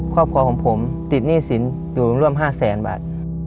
ครอบครัวของผมติดหนี้สินอยู่ร่วม๕แสนบาท